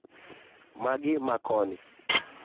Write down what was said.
Magi ma koni